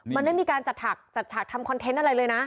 มันไม่มีการจัดฉากทำคอนเทนต์อะไรเลยนะ